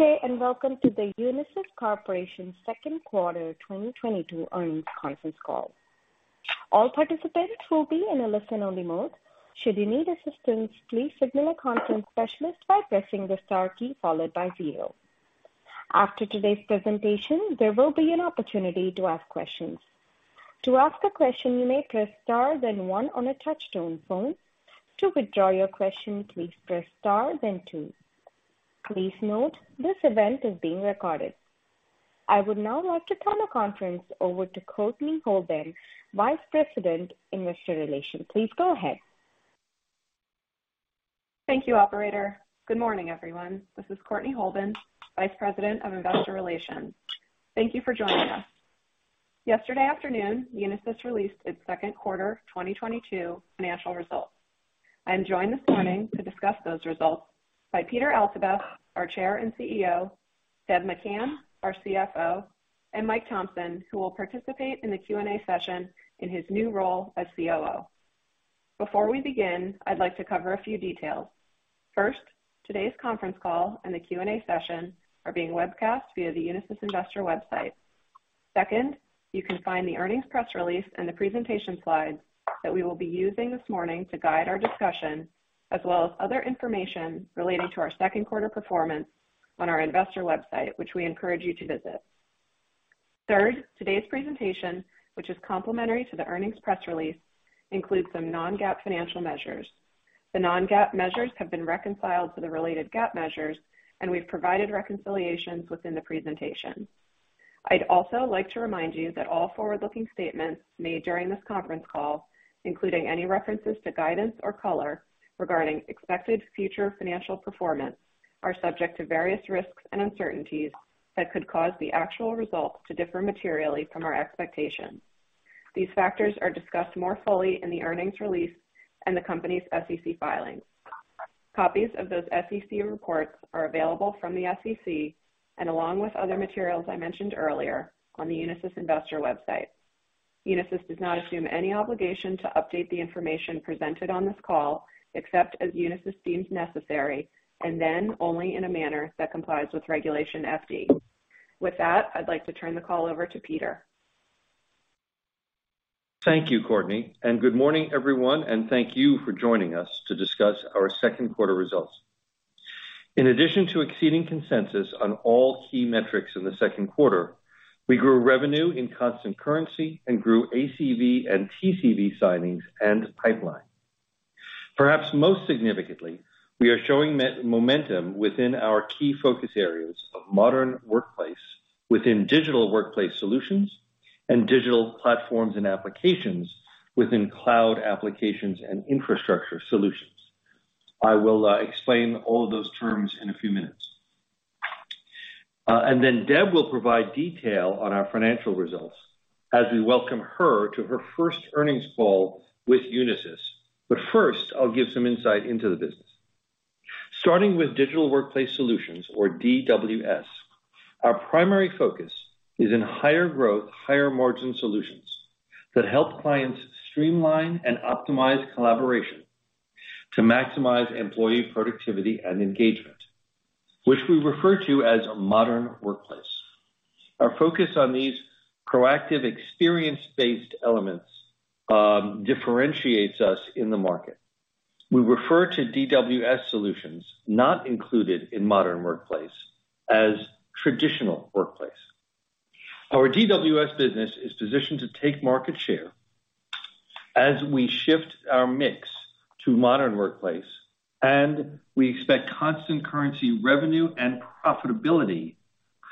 Good day, and welcome to the Unisys Corporation Second Quarter 2022 Earnings Conference Call. All participants will be in a listen-only mode. Should you need assistance, please signal a conference specialist by pressing the star key followed by zero. After today's presentation, there will be an opportunity to ask questions. To ask a question, you may press star then one on a touchtone phone. To withdraw your question, please press star then two. Please note this event is being recorded. I would now like to turn the conference over to Courtney Holben, Vice President, Investor Relations. Please go ahead. Thank you, operator. Good morning, everyone. This is Courtney Holben, Vice President of Investor Relations. Thank you for joining us. Yesterday afternoon, Unisys released its second quarter 2022 financial results. I'm joined this morning to discuss those results by Peter Altabef, our Chair and CEO, Deb McCann, our CFO, and Mike Thomson, who will participate in the Q&A session in his new role as COO. Before we begin, I'd like to cover a few details. First, today's conference call and the Q&A session are being webcast via the Unisys investor website. Second, you can find the earnings press release and the presentation slides that we will be using this morning to guide our discussion, as well as other information relating to our second quarter performance on our investor website, which we encourage you to visit. Third, today's presentation, which is complementary to the earnings press release, includes some non-GAAP financial measures. The non-GAAP measures have been reconciled to the related GAAP measures, and we've provided reconciliations within the presentation. I'd also like to remind you that all forward-looking statements made during this conference call, including any references to guidance or color regarding expected future financial performance, are subject to various risks and uncertainties that could cause the actual results to differ materially from our expectations. These factors are discussed more fully in the earnings release and the company's SEC filings. Copies of those SEC reports are available from the SEC and along with other materials I mentioned earlier on the Unisys investor website. Unisys does not assume any obligation to update the information presented on this call, except as Unisys deems necessary, and then only in a manner that complies with Regulation FD. With that, I'd like to turn the call over to Peter. Thank you, Courtney, and good morning, everyone, and thank you for joining us to discuss our second quarter results. In addition to exceeding consensus on all key metrics in the second quarter, we grew revenue in constant currency and grew ACV and TCV signings and pipeline. Perhaps most significantly, we are showing momentum within our key focus areas of Modern Workplace within Digital Workplace Solutions and digital platforms and applications within Cloud Applications and Infrastructure Solutions. I will explain all of those terms in a few minutes. Deb will provide detail on our financial results as we welcome her to her first earnings call with Unisys. First, I'll give some insight into the business. Starting with Digital Workplace Solutions or DWS. Our primary focus is in higher growth, higher margin solutions that help clients streamline and optimize collaboration to maximize employee productivity and engagement, which we refer to as a Modern Workplace. Our focus on these proactive experience-based elements differentiates us in the market. We refer to DWS solutions not included in Modern Workplace as traditional workplace. Our DWS business is positioned to take market share as we shift our mix to Modern Workplace, and we expect constant currency revenue and profitability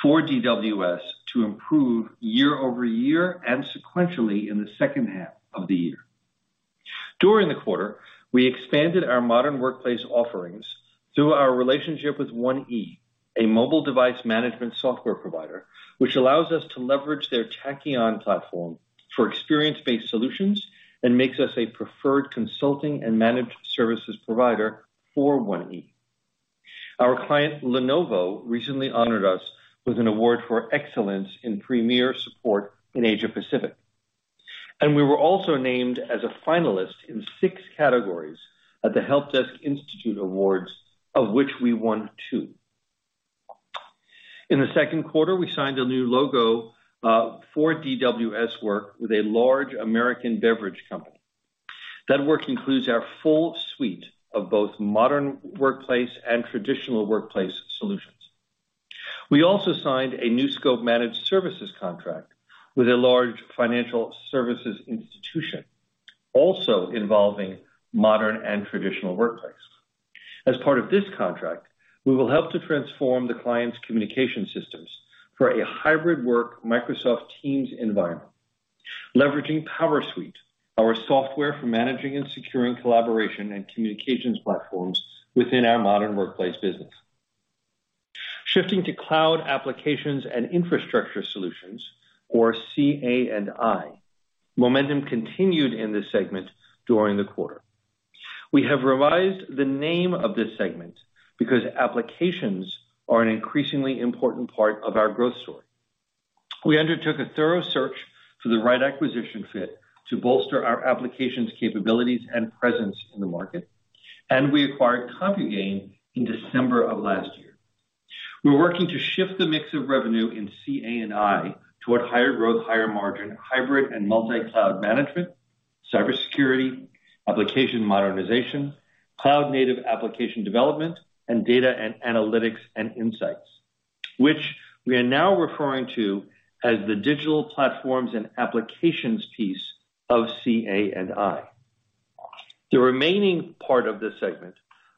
for DWS to improve year-over-year and sequentially in the second half of the year. During the quarter, we expanded our Modern Workplace offerings through our relationship with 1E, a mobile device management software provider, which allows us to leverage their Tachyon platform for experience-based solutions and makes us a preferred consulting and managed services provider for 1E. Our client, Lenovo, recently honored us with an award for excellence in premier support in Asia-Pacific. We were also named as a finalist in six categories at the Help Desk Institute Awards, of which we won two. In the second quarter, we signed a new logo for DWS work with a large American beverage company. That work includes our full suite of both Modern Workplace and traditional workplace solutions. We also signed a new scope managed services contract with a large financial services institution, also involving modern and traditional workplace. As part of this contract, we will help to transform the client's communication systems for a hybrid work Microsoft Teams environment, leveraging PowerSuite, our software for managing and securing collaboration and communications platforms within our Modern Workplace business. Shifting to Cloud, Applications & Infrastructure Solutions or CA&I, momentum continued in this segment during the quarter. We have revised the name of this segment because applications are an increasingly important part of our growth story. We undertook a thorough search for the right acquisition fit to bolster our applications capabilities and presence in the market, and we acquired CompuGain in December of last year. We're working to shift the mix of revenue in CA&I toward higher growth, higher margin, hybrid, and multi-cloud management, cybersecurity, application modernization, cloud-native application development, and data and analytics and insights, which we are now referring to as the digital platforms and applications piece of CA&I. The remaining part of this segment,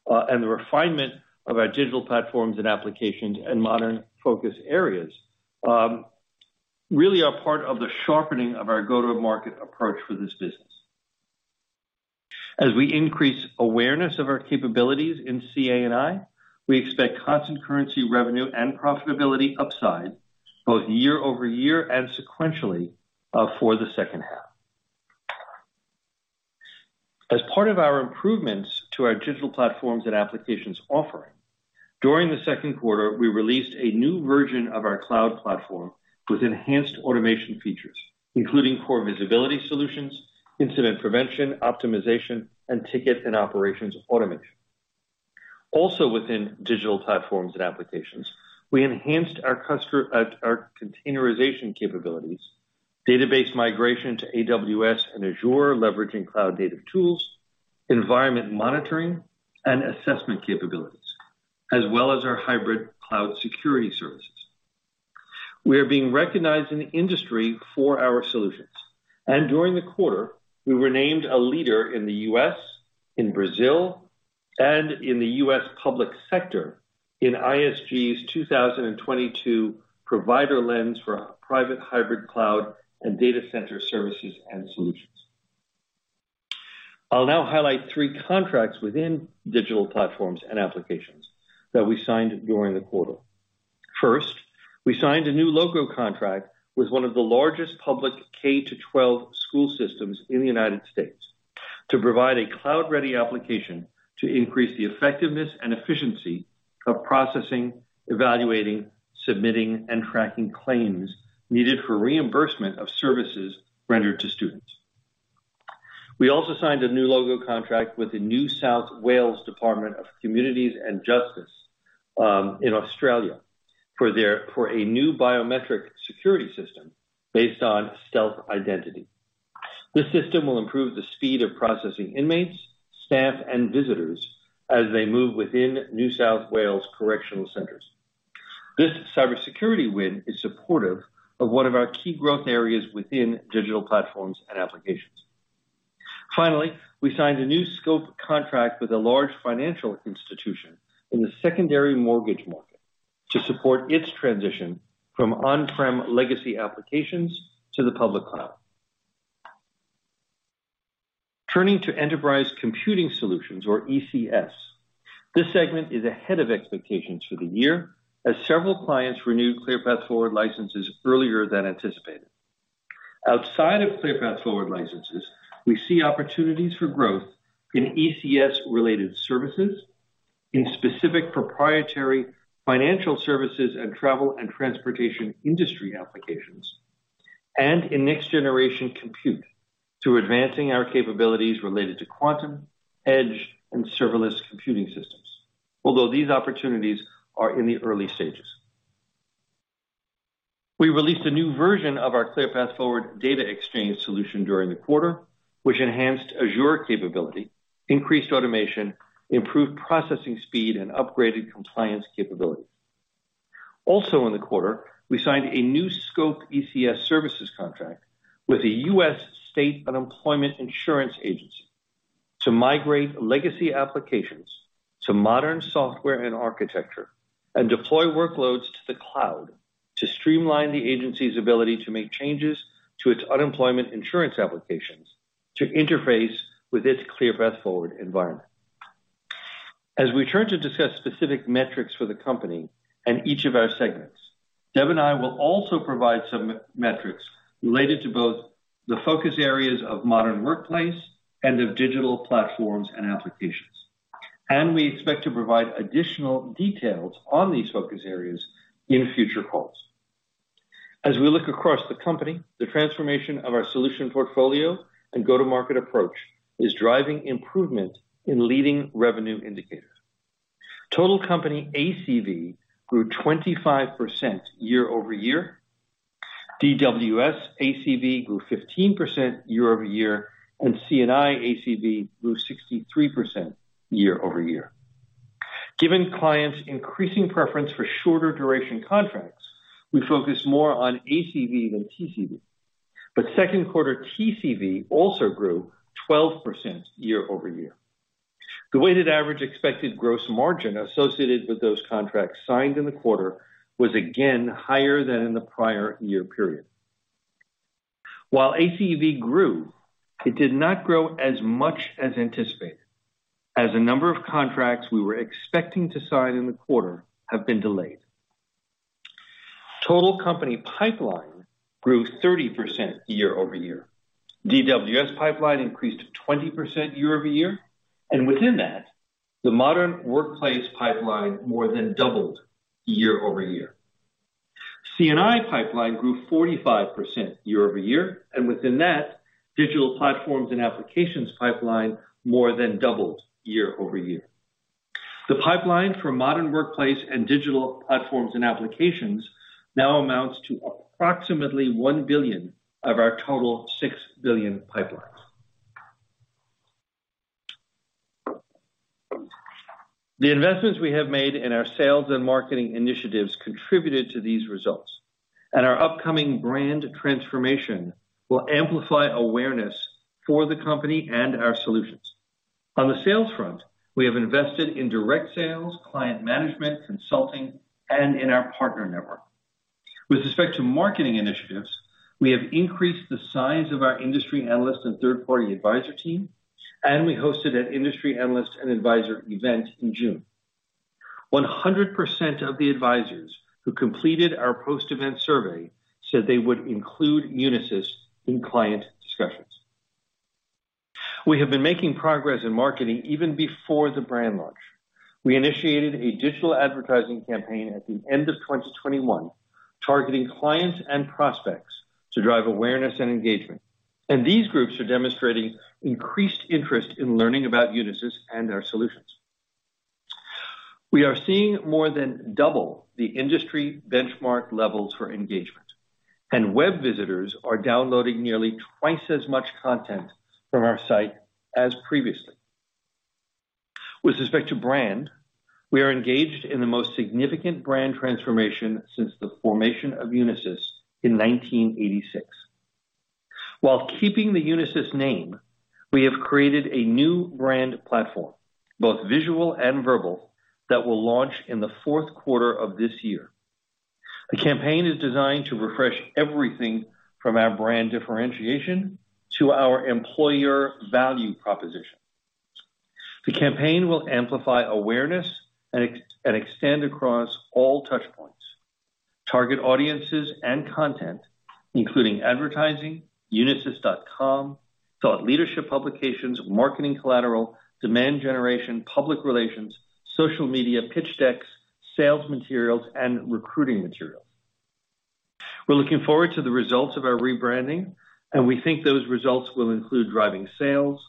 and the refinement of our digital platforms and applications and modern focus areas, really are part of the sharpening of our go-to-market approach for this business. As we increase awareness of our capabilities in CA&I, we expect constant currency revenue and profitability upside both year-over-year and sequentially for the second half. As part of our improvements to our digital platforms and applications offering, during the second quarter, we released a new version of our cloud platform with enhanced automation features, including core visibility solutions, incident prevention, optimization, and ticket and operations automation. Also within digital platforms and applications, we enhanced our containerization capabilities, database migration to AWS and Azure, leveraging cloud-native tools, environment monitoring and assessment capabilities, as well as our hybrid cloud security services. We are being recognized in the industry for our solutions, and during the quarter, we were named a leader in the U.S., in Brazil, and in the U.S. public sector in ISG's 2022 Provider Lens for Private/Hybrid Cloud – Data Center Services and solutions. I'll now highlight three contracts within digital platforms and applications that we signed during the quarter. First, we signed a new logo contract with one of the largest public K-12 school systems in the United States to provide a cloud-ready application to increase the effectiveness and efficiency of processing, evaluating, submitting, and tracking claims needed for reimbursement of services rendered to students. We also signed a new logo contract with the New South Wales Department of Communities and Justice in Australia for a new biometric security system based on Stealth(identity). This system will improve the speed of processing inmates, staff, and visitors as they move within New South Wales Correctional Centers. This cybersecurity win is supportive of one of our key growth areas within digital platforms and applications. Finally, we signed a new scope contract with a large financial institution in the secondary mortgage market to support its transition from on-prem legacy applications to the public cloud. Turning to Enterprise Computing Solutions or ECS. This segment is ahead of expectations for the year as several clients renewed ClearPath Forward licenses earlier than anticipated. Outside of ClearPath Forward licenses, we see opportunities for growth in ECS related services in specific proprietary financial services and travel and transportation industry applications, and in next generation compute to advancing our capabilities related to quantum, edge, and serverless computing systems. Although these opportunities are in the early stages. We released a new version of our ClearPath Forward data exchange solution during the quarter, which enhanced Azure capability, increased automation, improved processing speed, and upgraded compliance capability. Also in the quarter, we signed a new scope ECS services contract with the U.S. State Unemployment Insurance Agency to migrate legacy applications to modern software and architecture and deploy workloads to the cloud to streamline the agency's ability to make changes to its unemployment insurance applications to interface with its ClearPath Forward environment. As we turn to discuss specific metrics for the company and each of our segments, Deb and I will also provide some metrics related to both the focus areas of Modern Workplace and of digital platforms and applications. We expect to provide additional details on these focus areas in future calls. As we look across the company, the transformation of our solution portfolio and go-to-market approach is driving improvement in leading revenue indicators. Total company ACV grew 25% year-over-year. DWS ACV grew 15% year-over-year, and CA&I ACV grew 63% year-over-year. Given clients' increasing preference for shorter duration contracts, we focus more on ACV than TCV, but second quarter TCV also grew 12% year-over-year. The weighted average expected gross margin associated with those contracts signed in the quarter was again higher than in the prior year period. While ACV grew, it did not grow as much as anticipated as a number of contracts we were expecting to sign in the quarter have been delayed. Total company pipeline grew 30% year-over-year. DWS pipeline increased 20% year-over-year, and within that, the Modern Workplace pipeline more than doubled year-over-year. CA&I pipeline grew 45% year-over-year, and within that, digital platforms and applications pipeline more than doubled year-over-year. The pipeline for Modern Workplace and digital platforms and applications now amounts to approximately $1 billion of our total $6 billion pipelines. The investments we have made in our sales and marketing initiatives contributed to these results, and our upcoming brand transformation will amplify awareness for the company and our solutions. On the sales front, we have invested in direct sales, client management, consulting, and in our partner network. With respect to marketing initiatives, we have increased the size of our industry analysts and third-party advisor team, and we hosted an industry analyst and advisor event in June. 100% of the advisors who completed our post-event survey said they would include Unisys in client discussions. We have been making progress in marketing even before the brand launch. We initiated a digital advertising campaign at the end of 2021, targeting clients and prospects to drive awareness and engagement. These groups are demonstrating increased interest in learning about Unisys and our solutions. We are seeing more than double the industry benchmark levels for engagement, and web visitors are downloading nearly twice as much content from our site as previously. With respect to brand, we are engaged in the most significant brand transformation since the formation of Unisys in 1986. While keeping the Unisys name, we have created a new brand platform, both visual and verbal, that will launch in the fourth quarter of this year. The campaign is designed to refresh everything from our brand differentiation to our employer value proposition. The campaign will amplify awareness and extend across all touch points, target audiences and content, including advertising, unisys.com, thought leadership publications, marketing collateral, demand generation, public relations, social media, pitch decks, sales materials, and recruiting materials. We're looking forward to the results of our rebranding, and we think those results will include driving sales,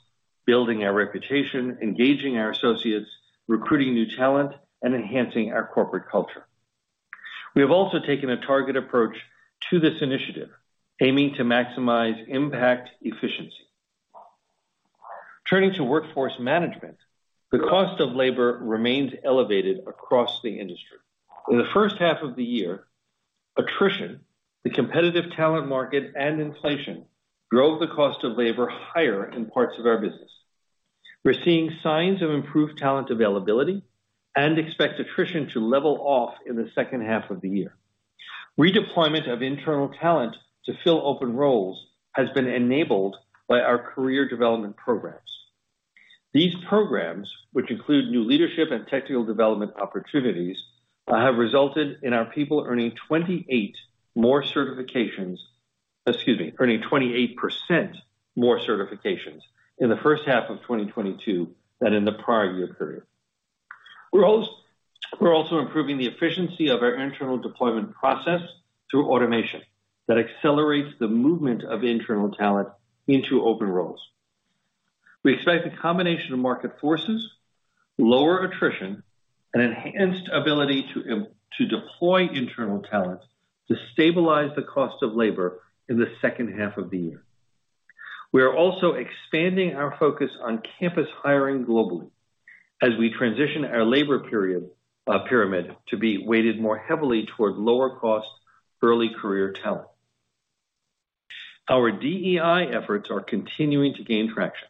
building our reputation, engaging our associates, recruiting new talent, and enhancing our corporate culture. We have also taken a targeted approach to this initiative, aiming to maximize impact efficiency. Turning to workforce management, the cost of labor remains elevated across the industry. In the first half of the year, attrition, the competitive talent market, and inflation drove the cost of labor higher in parts of our business. We're seeing signs of improved talent availability and expect attrition to level off in the second half of the year. Redeployment of internal talent to fill open roles has been enabled by our career development programs. These programs, which include new leadership and technical development opportunities, have resulted in our people earning 28% more certifications in the first half of 2022 than in the prior year period. We're also improving the efficiency of our internal deployment process through automation that accelerates the movement of internal talent into open roles. We expect a combination of market forces, lower attrition, and enhanced ability to deploy internal talent to stabilize the cost of labor in the second half of the year. We are also expanding our focus on campus hiring globally as we transition our labor pyramid to be weighted more heavily toward lower cost, early career talent. Our DEI efforts are continuing to gain traction.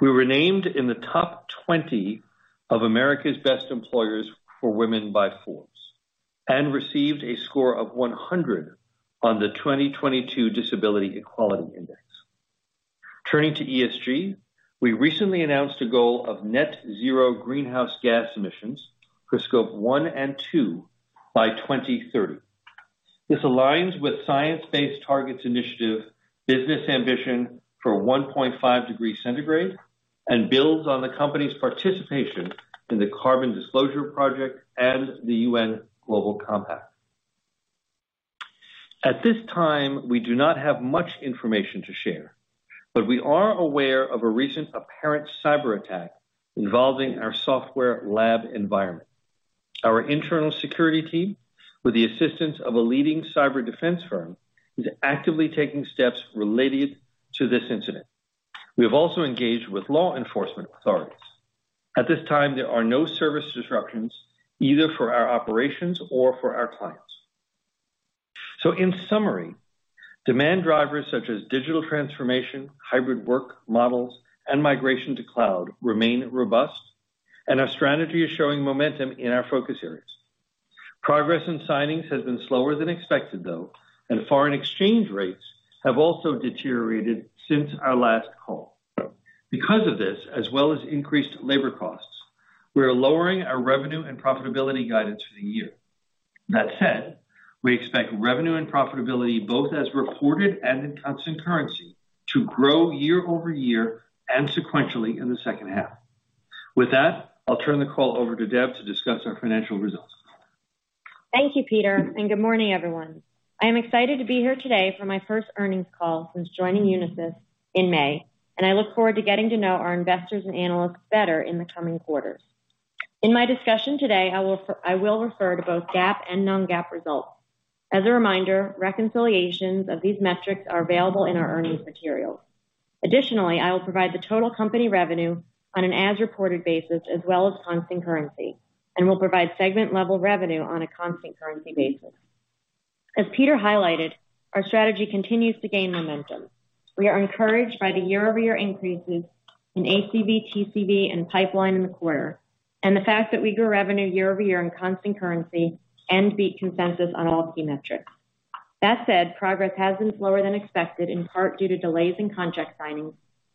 We were named in the top 20 of America's Best Employers for Women by Forbes and received a score of 100 on the 2022 Disability Equality Index. Turning to ESG, we recently announced a goal of net zero greenhouse gas emissions for Scope 1 and 2 by 2030. This aligns with Science Based Targets initiative Business Ambition for 1.5 degrees centigrade and builds on the company's participation in the Carbon Disclosure Project and the UN Global Compact. At this time, we do not have much information to share, but we are aware of a recent apparent cyberattack involving our software lab environment. Our internal security team, with the assistance of a leading cyber defense firm, is actively taking steps related to this incident. We have also engaged with law enforcement authorities. At this time, there are no service disruptions, either for our operations or for our clients. In summary, demand drivers such as digital transformation, hybrid work models, and migration to cloud remain robust, and our strategy is showing momentum in our focus areas. Progress in signings has been slower than expected, though, and foreign exchange rates have also deteriorated since our last call. Because of this, as well as increased labor costs, we are lowering our revenue and profitability guidance for the year. That said, we expect revenue and profitability, both as reported and in constant currency, to grow year-over-year and sequentially in the second half. With that, I'll turn the call over to Deb to discuss our financial results. Thank you, Peter, and good morning, everyone. I am excited to be here today for my first earnings call since joining Unisys in May, and I look forward to getting to know our investors and analysts better in the coming quarters. In my discussion today, I will refer to both GAAP and non-GAAP results. As a reminder, reconciliations of these metrics are available in our earnings materials. Additionally, I will provide the total company revenue on an as-reported basis as well as constant currency, and will provide segment level revenue on a constant currency basis. As Peter highlighted, our strategy continues to gain momentum. We are encouraged by the year-over-year increases in ACV, TCV, and pipeline in the quarter, and the fact that we grew revenue year-over-year in constant currency and beat consensus on all key metrics. That said, progress has been slower than expected, in part due to delays in contract signings,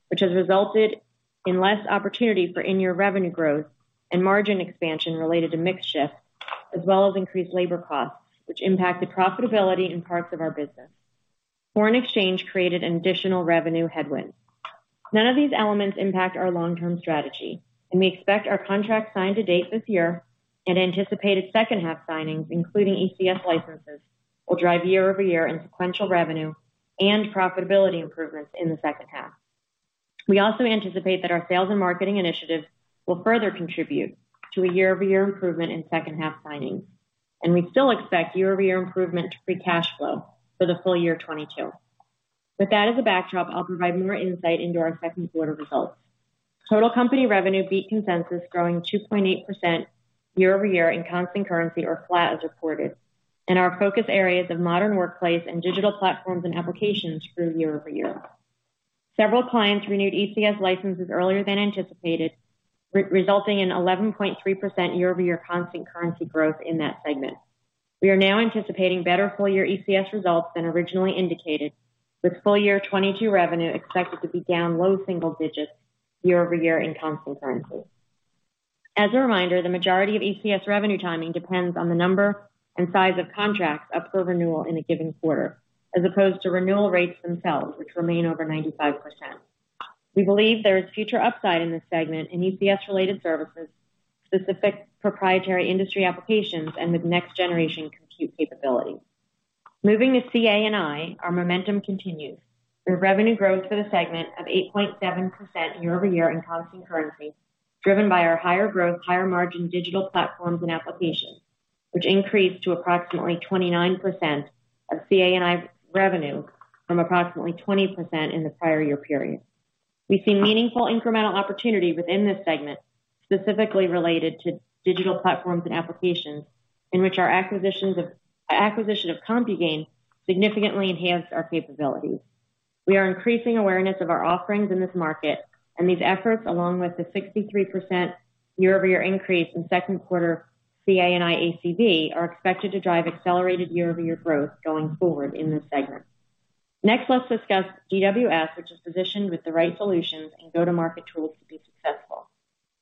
which has resulted in less opportunity for in-year revenue growth and margin expansion related to mix shift, as well as increased labor costs, which impacted profitability in parts of our business. Foreign exchange created an additional revenue headwind. None of these elements impact our long-term strategy, and we expect our contract signed to date this year and anticipated second half signings, including ECS licenses, will drive year-over-year and sequential revenue and profitability improvements in the second half. We also anticipate that our sales and marketing initiatives will further contribute to a year-over-year improvement in second half signings, and we still expect year-over-year improvement to free cash flow for the full year 2022. With that as a backdrop, I'll provide more insight into our second quarter results. Total company revenue beat consensus, growing 2.8% year-over-year in constant currency or flat as reported, and our focus areas of Modern Workplace and digital platforms and applications grew year-over-year. Several clients renewed ECS licenses earlier than anticipated, resulting in 11.3% year-over-year constant currency growth in that segment. We are now anticipating better full year ECS results than originally indicated, with full year 2022 revenue expected to be down low single digits year-over-year in constant currency. As a reminder, the majority of ECS revenue timing depends on the number and size of contracts up for renewal in a given quarter, as opposed to renewal rates themselves, which remain over 95%. We believe there is future upside in this segment in ECS-related services, specific proprietary industry applications, and with next generation compute capabilities. Moving to CA&I, our momentum continues. The revenue growth for the segment of 8.7% year-over-year in constant currency, driven by our higher growth, higher margin digital platforms and applications, which increased to approximately 29% of CA&I revenue from approximately 20% in the prior year period. We see meaningful incremental opportunity within this segment, specifically related to digital platforms and applications in which our acquisition of CompuGain significantly enhanced our capabilities. We are increasing awareness of our offerings in this market, and these efforts, along with the 63% year-over-year increase in second quarter CA&I ACV, are expected to drive accelerated year-over-year growth going forward in this segment. Next, let's discuss DWS, which is positioned with the right solutions and go-to-market tools to be successful.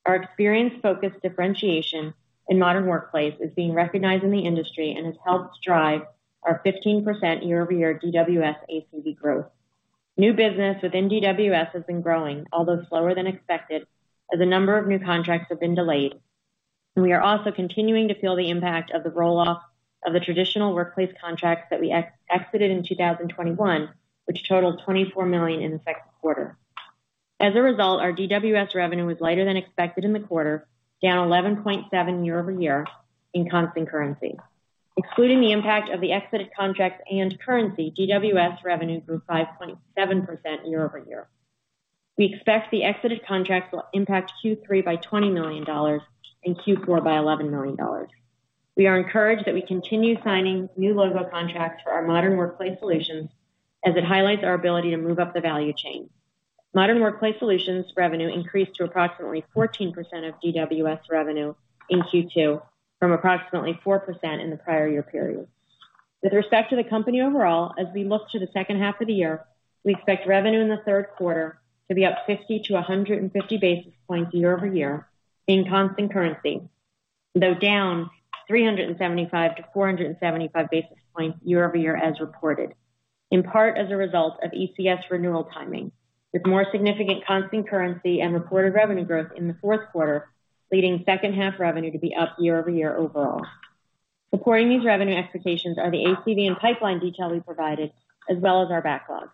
Our experience-focused differentiation in Modern Workplace is being recognized in the industry, and has helped drive our 15% year-over-year DWS ACV growth. New business within DWS has been growing, although slower than expected, as a number of new contracts have been delayed. We are also continuing to feel the impact of the roll-off of the traditional workplace contracts that we exited in 2021, which totaled $24 million in the second quarter. As a result, our DWS revenue was lighter than expected in the quarter, down 11.7% year-over-year in constant currency. Excluding the impact of the exited contracts and currency, DWS revenue grew 5.7% year-over-year. We expect the exited contracts will impact Q3 by $20 million and Q4 by $11 million. We are encouraged that we continue signing new logo contracts for our Modern Workplace solutions as it highlights our ability to move up the value chain. Modern workplace solutions revenue increased to approximately 14% of DWS revenue in Q2 from approximately 4% in the prior year period. With respect to the company overall, as we look to the second half of the year, we expect revenue in the third quarter to be up 50 to 150 basis points year-over-year in constant currency, though down 375 to 475 basis points year-over-year as reported, in part as a result of ECS renewal timing, with more significant constant currency and reported revenue growth in the fourth quarter, leading second half revenue to be up year-over-year overall. Supporting these revenue expectations are the ACV and pipeline detail we provided as well as our backlog.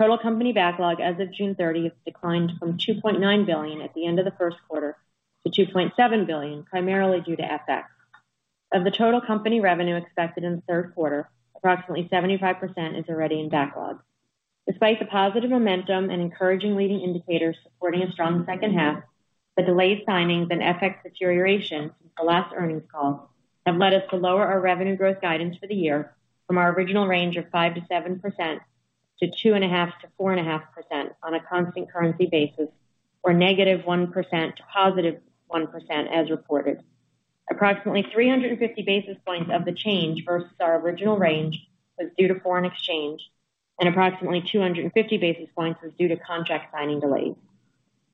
Total company backlog as of June 30th declined from $2.9 billion at the end of the first quarter to $2.7 billion, primarily due to FX. Of the total company revenue expected in the third quarter, approximately 75% is already in backlog. Despite the positive momentum and encouraging leading indicators supporting a strong second half, the delayed signings and FX deterioration since the last earnings call have led us to lower our revenue growth guidance for the year from our original range of 5%-7% to 2.5%-4.5% on a constant currency basis, or -1% to +1% as reported. Approximately 350 basis points of the change versus our original range was due to foreign exchange, and approximately 250 basis points was due to contract signing delays.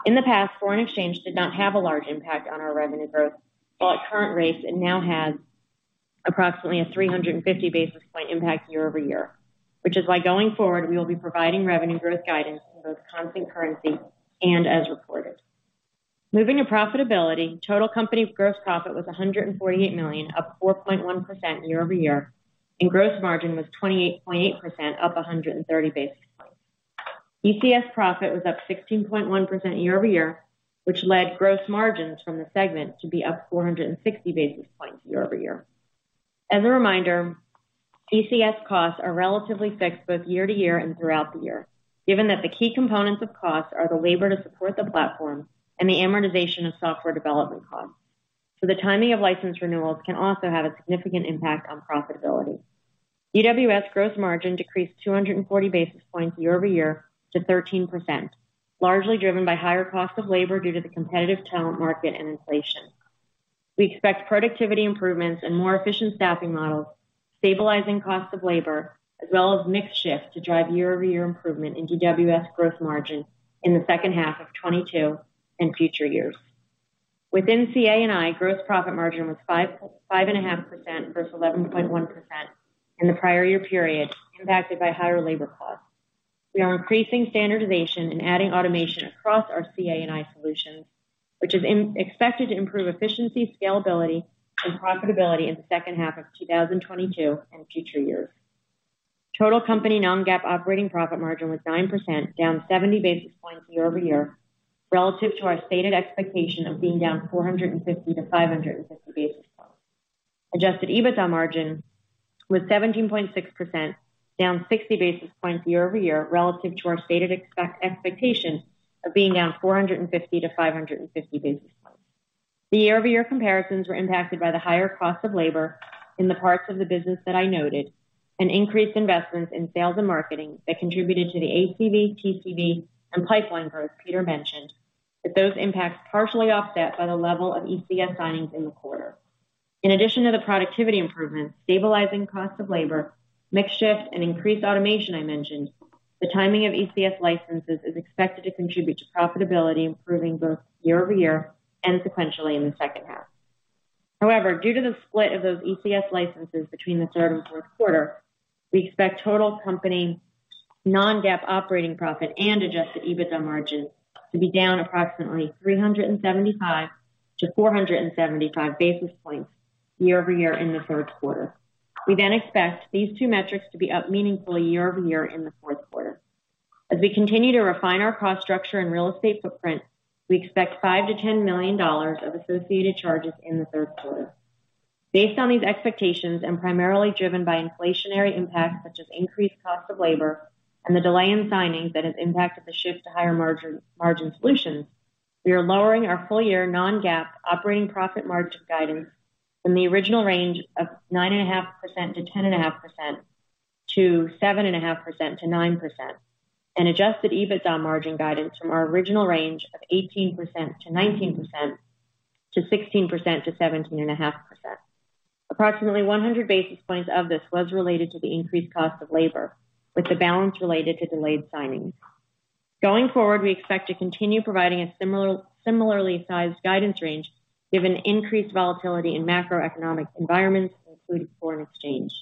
In the past, foreign exchange did not have a large impact on our revenue growth, while at current rates, it now has approximately a 350 basis point impact year-over-year. Which is why going forward, we will be providing revenue growth guidance in both constant currency and as reported. Moving to profitability, total company gross profit was $148 million, up 4.1% year-over-year, and gross margin was 28.8%, up 130 basis points. ECS profit was up 16.1% year-over-year, which led gross margins from the segment to be up 460 basis points year-over-year. As a reminder, ECS costs are relatively fixed both year to year and throughout the year, given that the key components of costs are the labor to support the platform and the amortization of software development costs. The timing of license renewals can also have a significant impact on profitability. DWS gross margin decreased 240 basis points year-over-year to 13%, largely driven by higher costs of labor due to the competitive talent market and inflation. We expect productivity improvements and more efficient staffing models, stabilizing costs of labor as well as mix shift to drive year-over-year improvement in DWS gross margin in the second half of 2022 and future years. Within CA&I, gross profit margin was 5.5% versus 11.1% in the prior year period, impacted by higher labor costs. We are increasing standardization and adding automation across our CA&I solutions, which is expected to improve efficiency, scalability, and profitability in the second half of 2022 and future years. Total company non-GAAP operating profit margin was 9%, down 70 basis points year-over-year relative to our stated expectation of being down 450 to 550 basis points. Adjusted EBITDA margin was 17.6%, down 60 basis points year-over-year relative to our stated expectation of being down 450 to 550 basis points. The year-over-year comparisons were impacted by the higher cost of labor in the parts of the business that I noted, and increased investments in sales and marketing that contributed to the ACV, TCV, and pipeline growth Peter mentioned. Those impacts partially offset by the level of ECS signings in the quarter. In addition to the productivity improvements, stabilizing cost of labor, mix shift, and increased automation I mentioned, the timing of ECS licenses is expected to contribute to profitability improving both year-over-year and sequentially in the second half. However, due to the split of those ECS licenses between the third and fourth quarter, we expect total company non-GAAP operating profit and adjusted EBITDA margin to be down approximately 375 to 475 basis points year-over-year in the third quarter. We then expect these two metrics to be up meaningfully year-over-year in the fourth quarter. As we continue to refine our cost structure and real estate footprint, we expect $5 million-$10 million of associated charges in the third quarter. Based on these expectations, and primarily driven by inflationary impacts such as increased cost of labor and the delay in signings that has impacted the shift to higher margin solutions, we are lowering our full-year non-GAAP operating profit margin guidance from the original range of 9.5%-10.5% to 7.5%-9%. Adjusted EBITDA margin guidance from our original range of 18%-19% to 16%-17.5%. Approximately 100 basis points of this was related to the increased cost of labor, with the balance related to delayed signings. Going forward, we expect to continue providing a similarly sized guidance range given increased volatility in macroeconomic environments, including foreign exchange.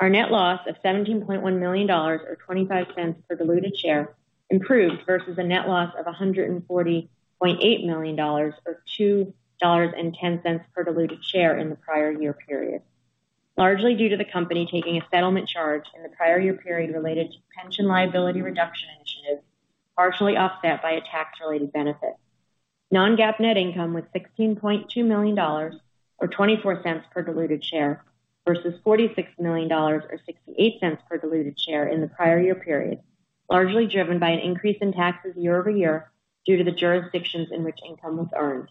Our net loss of $17.1 million or $0.25 per diluted share improved versus a net loss of $140.8 million or $2.10 per diluted share in the prior year period, largely due to the company taking a settlement charge in the prior year period related to pension liability reduction initiatives, partially offset by a tax-related benefit. Non-GAAP net income was $16.2 million or $0.24 per diluted share versus $46 million or $0.68 per diluted share in the prior year period, largely driven by an increase in taxes year-over-year due to the jurisdictions in which income was earned.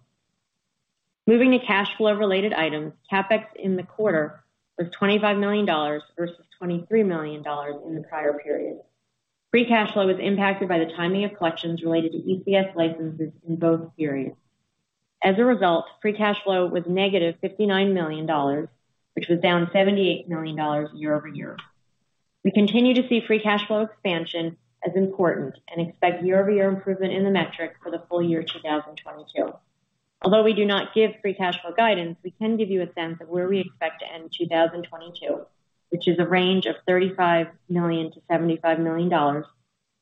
Moving to cash flow related items, CapEx in the quarter was $25 million versus $23 million in the prior period. Free cash flow was impacted by the timing of collections related to ECS licenses in both periods. As a result, free cash flow was -$59 million, which was down $78 million year-over-year. We continue to see free cash flow expansion as important and expect year-over-year improvement in the metric for the full year 2022. Although we do not give free cash flow guidance, we can give you a sense of where we expect to end 2022, which is a range of $35 million-$75 million,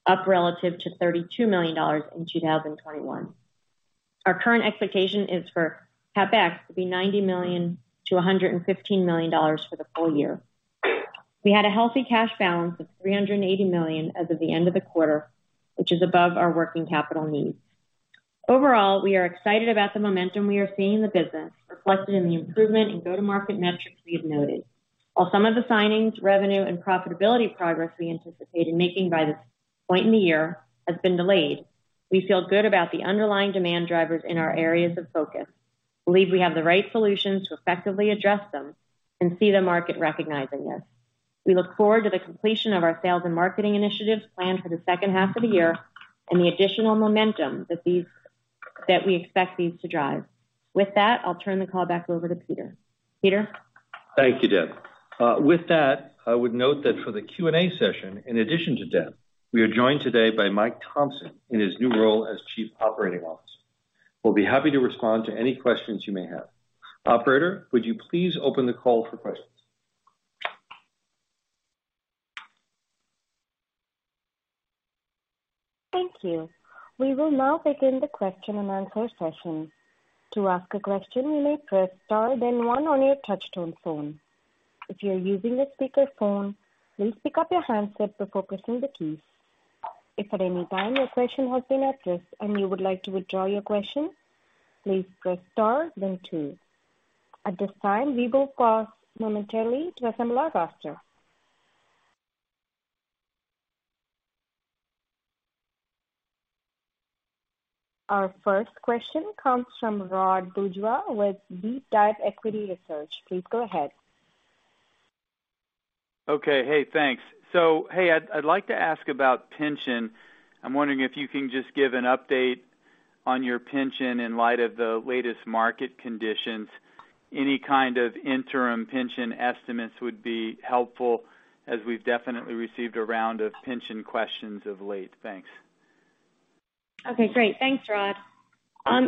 up relative to $32 million in 2021. Our current expectation is for CapEx to be $90 million-$115 million for the full year. We had a healthy cash balance of $380 million as of the end of the quarter, which is above our working capital needs. Overall, we are excited about the momentum we are seeing in the business, reflected in the improvement in go-to-market metrics we have noted. While some of the signings, revenue, and profitability progress we anticipate in making by this point in the year has been delayed, we feel good about the underlying demand drivers in our areas of focus, believe we have the right solutions to effectively address them, and see the market recognizing this. We look forward to the completion of our sales and marketing initiatives planned for the second half of the year and the additional momentum that we expect these to drive. With that, I'll turn the call back over to Peter. Peter? Thank you, Deb. With that, I would note that for the Q&A session, in addition to Deb, we are joined today by Mike Thomson in his new role as Chief Operating Officer. We'll be happy to respond to any questions you may have. Operator, would you please open the call for questions? Thank you. We will now begin the question-and-answer session. To ask a question, you may press star then one on your touchtone phone. If you're using a speakerphone, please pick up your handset before pressing the keys. If at any time your question has been addressed and you would like to withdraw your question, please press star then two. At this time, we will pause momentarily to assemble our roster. Our first question comes from Rod Bourgeois with DeepDive Equity Research. Please go ahead. Okay. Hey, thanks. Hey, I'd like to ask about pension. I'm wondering if you can just give an update on your pension in light of the latest market conditions. Any kind of interim pension estimates would be helpful as we've definitely received a round of pension questions of late. Thanks. Okay, great. Thanks, Rod.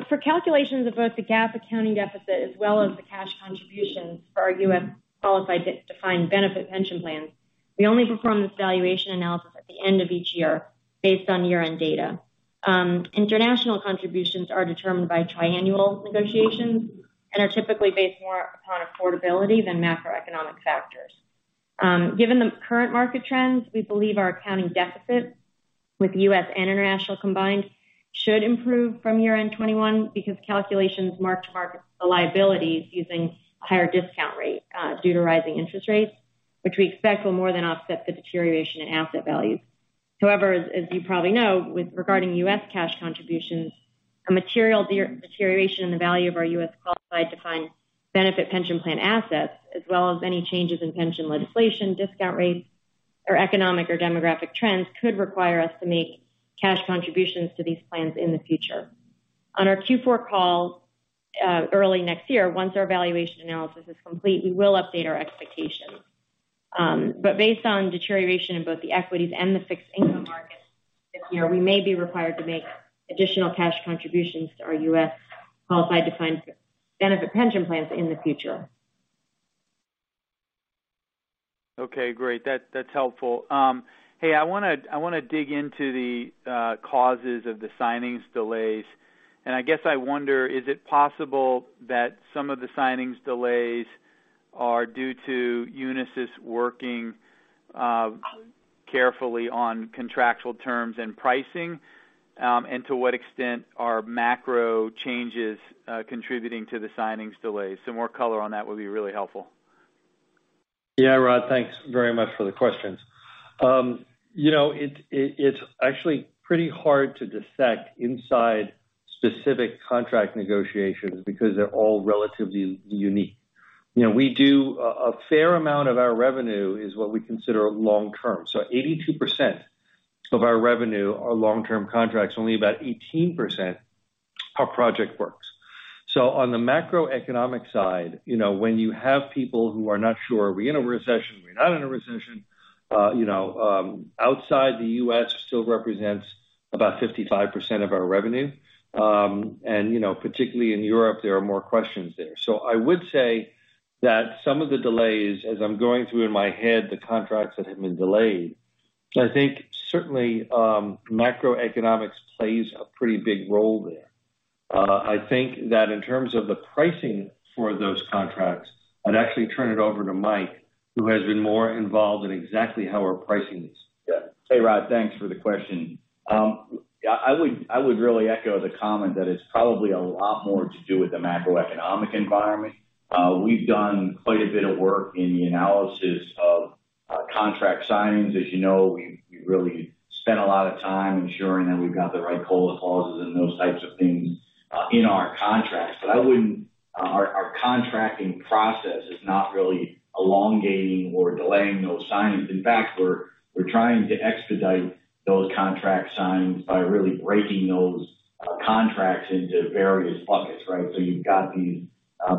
For calculations of both the GAAP accounting deficit as well as the cash contributions for our U.S. qualified defined benefit pension plans, we only perform this valuation analysis at the end of each year based on year-end data. International contributions are determined by triannual negotiations and are typically based more upon affordability than macroeconomic factors. Given the current market trends, we believe our accounting deficits with U.S. and international combined should improve from year-end 2021 because calculations mark to market the liabilities using a higher discount rate, due to rising interest rates, which we expect will more than offset the deterioration in asset values. However, as you probably know, with regard to U.S. cash contributions, a material deterioration in the value of our U.S. qualified defined benefit pension plan assets, as well as any changes in pension legislation, discount rates, or economic or demographic trends, could require us to make cash contributions to these plans in the future. On our Q4 call early next year, once our valuation analysis is complete, we will update our expectations. Based on deterioration in both the equities and the fixed income market this year, we may be required to make additional cash contributions to our U.S. qualified defined benefit pension plans in the future. Okay, great. That, that's helpful. Hey, I wanna dig into the causes of the signings delays. I guess I wonder, is it possible that some of the signings delays are due to Unisys working carefully on contractual terms and pricing? To what extent are macro changes contributing to the signings delays? Some more color on that would be really helpful. Yeah. Rod, thanks very much for the questions. You know, it's actually pretty hard to dissect inside specific contract negotiations because they're all relatively unique. You know, we do a fair amount of our revenue is what we consider long term. 82% of our revenue are long-term contracts, only about 18% are project works. On the macroeconomic side, you know, when you have people who are not sure, are we in a recession, are we not in a recession, you know, outside the U.S. still represents about 55% of our revenue. You know, particularly in Europe, there are more questions there. I would say that some of the delays, as I'm going through in my head the contracts that have been delayed, I think certainly, macroeconomics plays a pretty big role there. I think that in terms of the pricing for those contracts, I'd actually turn it over to Mike, who has been more involved in exactly how we're pricing these. Yeah. Hey, Rod, thanks for the question. I would really echo the comment that it's probably a lot more to do with the macroeconomic environment. We've done quite a bit of work in the analysis of contract signings. As you know, we really spent a lot of time ensuring that we've got the right hold clauses and those types of things in our contracts. Our contracting process is not really elongating or delaying those signings. In fact, we're trying to expedite those contract signings by really breaking those contracts into various buckets, right? So you've got these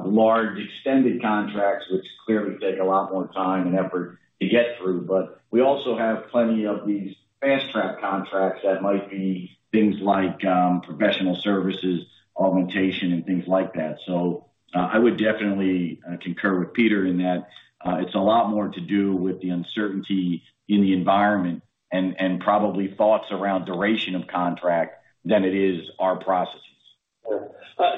large extended contracts, which clearly take a lot more time and effort to get through. We also have plenty of these fast-track contracts that might be things like professional services, augmentation, and things like that. I would definitely concur with Peter in that it's a lot more to do with the uncertainty in the environment and probably thoughts around duration of contract than it is our processes.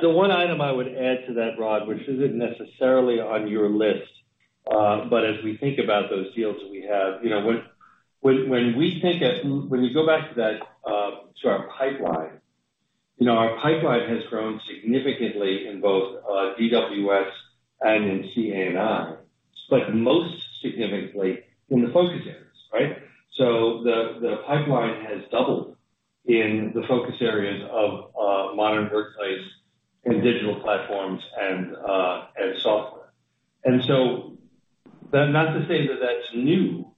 The one item I would add to that, Rod, which isn't necessarily on your list, but as we think about those deals that we have, you know, when we go back to that, to our pipeline, you know, our pipeline has grown significantly in both, DWS and in CA&I, but most significantly in the focus areas, right? The pipeline has doubled in the focus areas of Modern Workplace and digital platforms and software. That's not to say that that's new,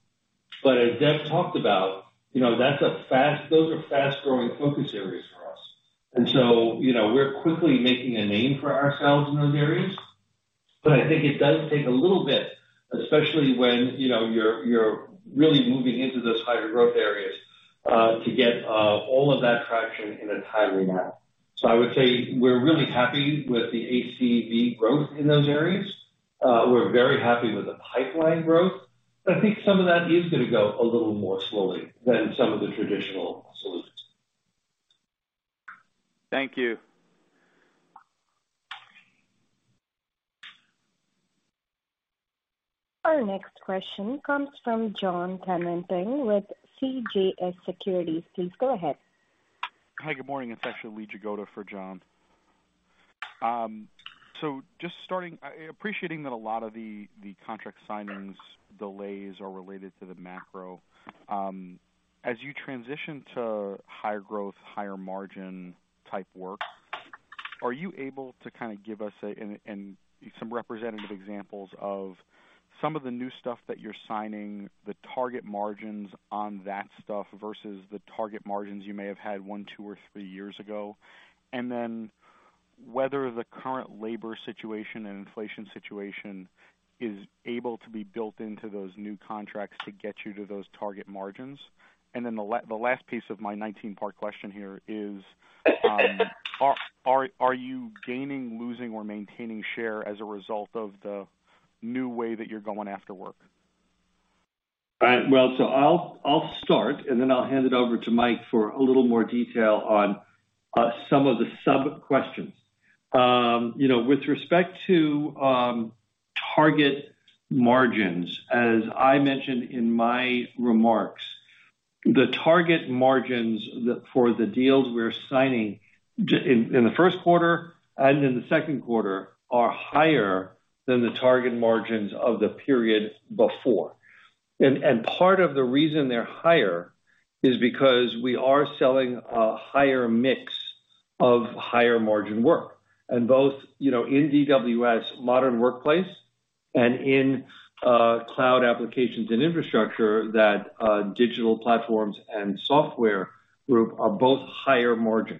but as Deb talked about, you know, those are fast-growing focus areas for us. You know, we're quickly making a name for ourselves in those areas. I think it does take a little bit, especially when, you know, you're really moving into those higher growth areas, to get all of that traction in a timely manner. I would say we're really happy with the ACV growth in those areas. We're very happy with the pipeline growth, but I think some of that is gonna go a little more slowly than some of the traditional solutions. Thank you. Our next question comes from Jon Tanwanteng with CJS Securities. Please go ahead. Hi, good morning. It's actually Lee Jagoda for John. Appreciating that a lot of the contract signings delays are related to the macro. As you transition to higher growth, higher margin type work, are you able to kinda give us some representative examples of some of the new stuff that you're signing, the target margins on that stuff versus the target margins you may have had one, two, or three years ago? Whether the current labor situation and inflation situation is able to be built into those new contracts to get you to those target margins. The last piece of my 19-part question here is, are you gaining, losing, or maintaining share as a result of the new way that you're going after work? All right. Well, I'll start, and then I'll hand it over to Mike for a little more detail on some of the sub-questions. You know, with respect to target margins, as I mentioned in my remarks, the target margins for the deals we're signing in the first quarter and in the second quarter are higher than the target margins of the period before. Part of the reason they're higher is because we are selling a higher mix of higher margin work. Both, you know, in DWS, Modern Workplace, and in Cloud, Applications & Infrastructure, that digital platforms and software group are both higher margin.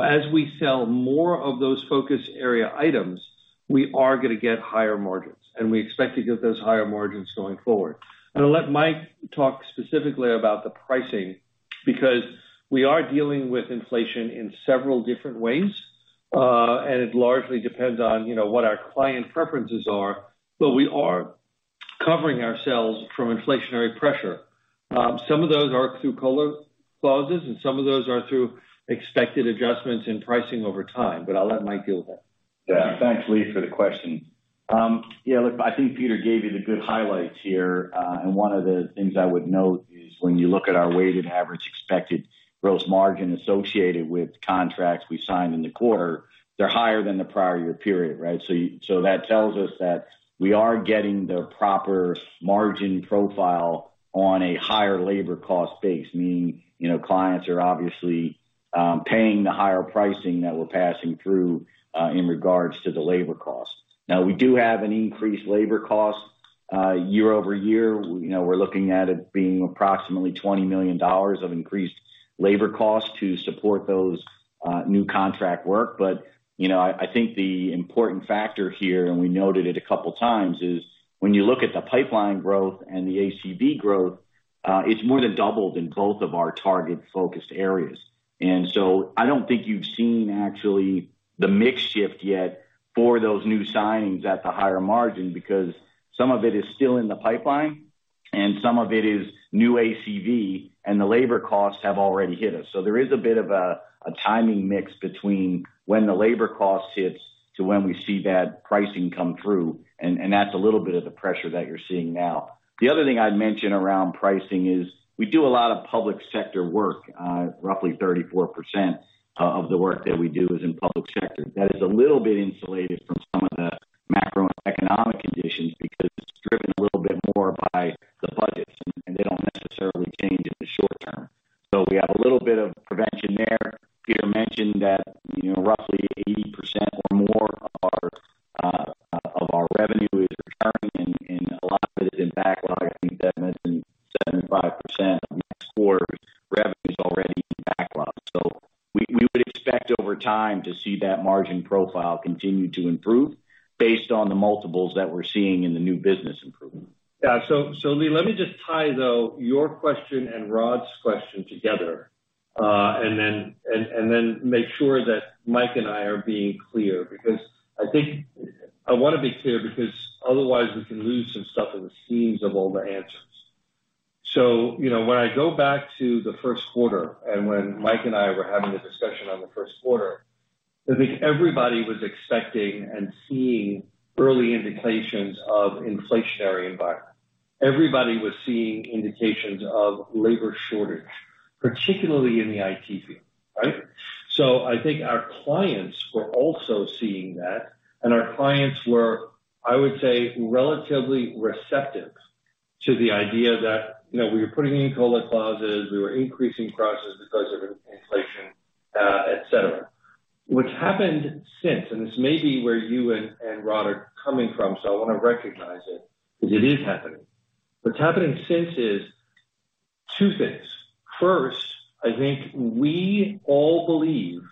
As we sell more of those focus area items, we are gonna get higher margins, and we expect to get those higher margins going forward. I'll let Mike talk specifically about the pricing because we are dealing with inflation in several different ways, and it largely depends on, you know, what our client preferences are, but we are covering ourselves from inflationary pressure. Some of those are through COLA clauses, and some of those are through expected adjustments in pricing over time, but I'll let Mike deal with that. Yeah. Thanks, Lee, for the question. Yeah, look, I think Peter gave you the good highlights here. One of the things I would note is when you look at our weighted average expected gross margin associated with contracts we signed in the quarter, they're higher than the prior year period, right? That tells us that we are getting the proper margin profile on a higher labor cost base, meaning, you know, clients are obviously paying the higher pricing that we're passing through in regards to the labor cost. Now, we do have an increased labor cost year-over-year. You know, we're looking at it being approximately $20 million of increased labor cost to support those new contract work. You know, I think the important factor here, and we noted it a couple of times, is when you look at the pipeline growth and the ACV growth, it's more than doubled in both of our target focused areas. I don't think you've seen actually the mix shift yet for those new signings at the higher margin because some of it is still in the pipeline and some of it is new ACV, and the labor costs have already hit us. There is a bit of a timing mix between when the labor cost hits to when we see that pricing come through, and that's a little bit of the pressure that you're seeing now. The other thing I'd mention around pricing is we do a lot of public sector work. Roughly 34% of the work that we do is in public sector. That is a little bit insulated from some of the macroeconomic conditions because it's driven a little bit more by the budgets, and they don't necessarily change in the short term. We have a little bit of prevention there. Peter mentioned that, you know, roughly 80% or more of our revenue is returning and a lot of it is in backlog. I think Deb mentioned 75% of next quarter's revenue is already in backlog. We would expect over time to see that margin profile continue to improve based on the multiples that we're seeing in the new business improvement. Yeah. Lee, let me just tie though your question and Rod's question together, and then make sure that Mike and I are being clear because I think I wanna be clear because otherwise we can lose some stuff in the seams of all the answers. You know, when I go back to the first quarter and when Mike and I were having a discussion on the first quarter, I think everybody was expecting and seeing early indications of inflationary environment. Everybody was seeing indications of labor shortage, particularly in the IT field, right? I think our clients were also seeing that, and our clients were, I would say, relatively receptive to the idea that, you know, we were putting in COLA clauses, we were increasing prices because of inflation, et cetera. What's happened since, and this may be where you and Rod are coming from, so I wanna recognize it, because it is happening. What's happening since is two things. First, I think we all believe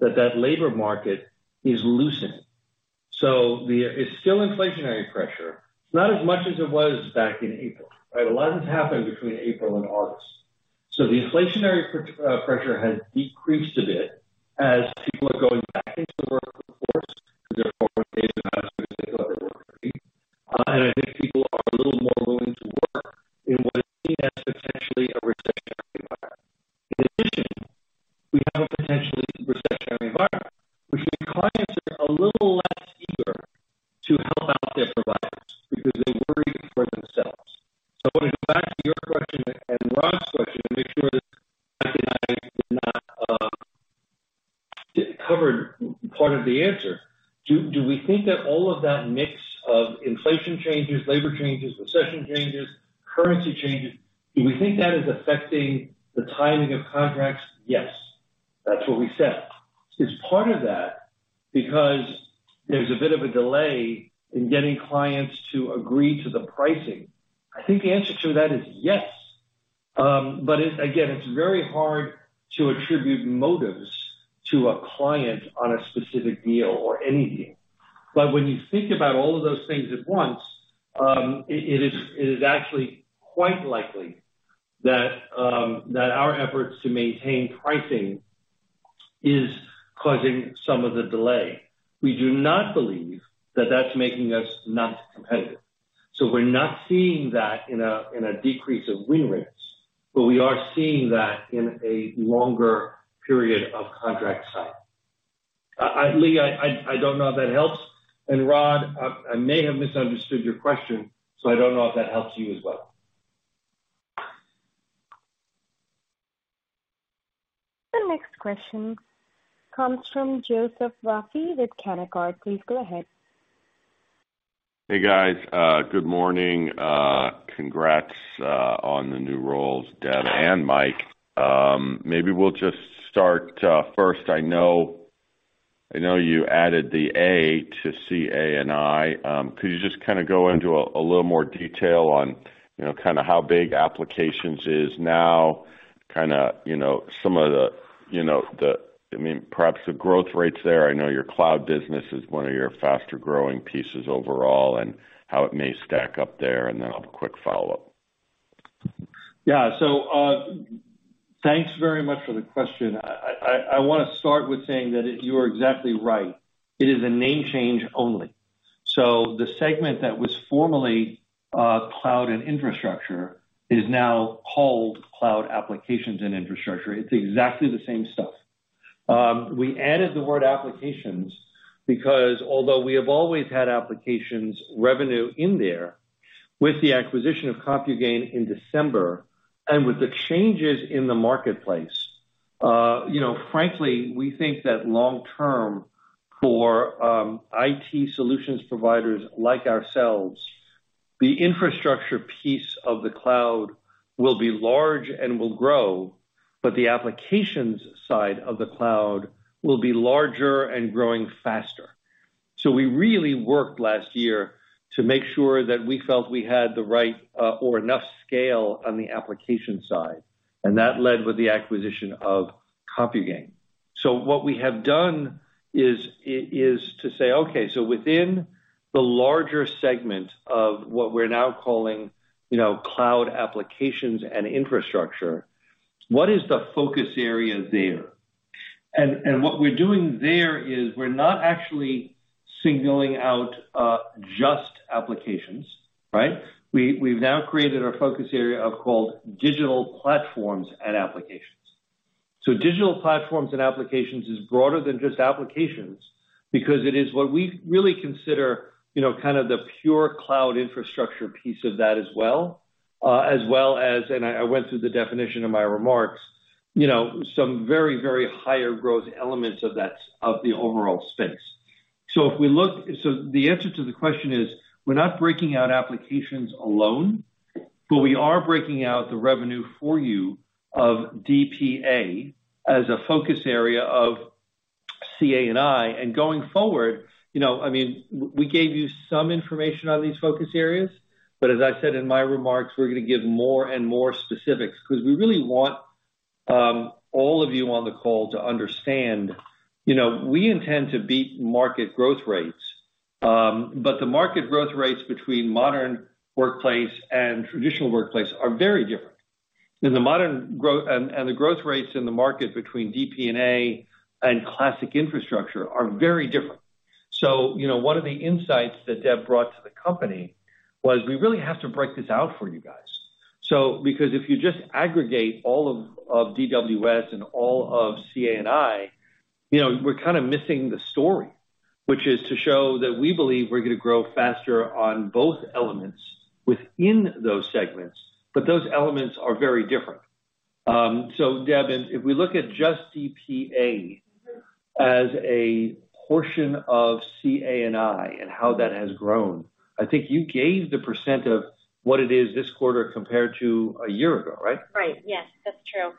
that the labor market is loosening. It's still inflationary pressure. It's not as much as it was back in April, right? A lot has happened between April and August. The inflationary pressure has decreased a bit as people are going back into the workforce because they're more engaged and optimistic about their work, right? I think people are a little more willing to work in what is seen as potentially a recessionary environment. In addition, we have a potentially recessionary environment, which means clients are a little less eager to help out their providers because they're worried for themselves. I wanna go back to your question and Rod's question to make sure that Mike and I did not discover part of the answer. Do we think that all of that mix of inflation changes, labor changes, recession changes, currency changes, do we think that is affecting the timing of contracts? Yes. That's what we said. Is part of that because there's a bit of a delay in getting clients to agree to the pricing? I think the answer to that is yes. It's again very hard to attribute motives to a client on a specific deal or any deal. When you think about all of those things at once, it is actually quite likely that our efforts to maintain pricing is causing some of the delay. We do not believe that that's making us not competitive. We're not seeing that in a decrease of win rates, but we are seeing that in a longer period of contract signing. Lee, I don't know if that helps. Rod, I may have misunderstood your question, so I don't know if that helps you as well. The next question comes from Joseph Vafi with Canaccord Genuity. Please go ahead. Hey, guys. Good morning. Congrats on the new roles, Deb and Mike. Maybe we'll just start. First I know you added the A to CA&I. Could you just kinda go into a little more detail on you know kinda how big Applications is now kinda you know some of the you know the I mean perhaps the growth rates there. I know your cloud business is one of your faster-growing pieces overall and how it may stack up there, and then I'll have a quick follow-up. Thanks very much for the question. I wanna start with saying that you are exactly right. It is a name change only. The segment that was formerly Cloud and Infrastructure is now called Cloud, Applications and Infrastructure. It's exactly the same stuff. We added the word applications because although we have always had applications revenue in there, with the acquisition of CompuGain in December and with the changes in the marketplace, you know, frankly, we think that long term for IT solutions providers like ourselves, the infrastructure piece of the cloud will be large and will grow, but the applications side of the cloud will be larger and growing faster. We really worked last year to make sure that we felt we had the right, or enough scale on the application side, and that led to the acquisition of CompuGain. What we have done is to say, okay, so within the larger segment of what we're now calling, you know, Cloud Applications and Infrastructure, what is the focus area there? And what we're doing there is we're not actually singling out, just applications, right? We, we've now created a focus area called digital platforms and applications. Digital platforms and applications is broader than just applications because it is what we really consider, you know, kind of the pure cloud infrastructure piece of that as well as, and I went through the definition in my remarks, you know, some very high growth elements of that, of the overall space. The answer to the question is, we're not breaking out Applications alone, but we are breaking out the revenue for you of DPA as a focus area of CA&I. Going forward, you know, I mean, we gave you some information on these focus areas, but as I said in my remarks, we're gonna give more and more specifics because we really want all of you on the call to understand, you know, we intend to beat market growth rates. The market growth rates between Modern Workplace and traditional workplace are very different. The growth rates in the market between DP&A and classic infrastructure are very different. You know, one of the insights that Deb brought to the company was we really have to break this out for you guys. Because if you just aggregate all of DWS and all of CA&I, you know, we're kind of missing the story. Which is to show that we believe we're gonna grow faster on both elements within those segments, but those elements are very different. Deb, and if we look at just DP&A as a portion of CA&I and how that has grown, I think you gave the percent of what it is this quarter compared to a year ago, right? Right. Yes, that's true.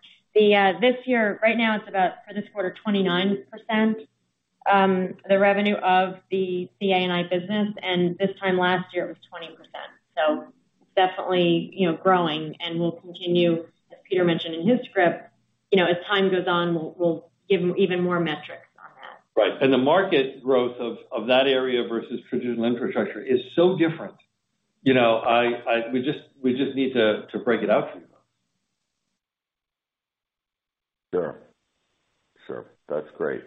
This year, right now it's about, for this quarter, 29% the revenue of the CA&I business, and this time last year it was 20%. So definitely, you know, growing and we'll continue, as Peter mentioned in his script, you know, as time goes on, we'll give even more metrics on that. Right. The market growth of that area versus traditional infrastructure is so different. You know, we just need to break it out for you. Sure. Sure. That's great.